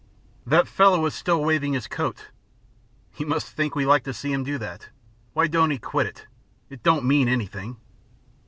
"That fellow is still waving his coat." "He must think we like to see him do that. Why don't he quit it? It don't mean anything."